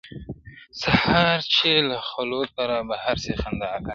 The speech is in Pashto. سهار چي له خلوته را بهر سې خندا راسي؛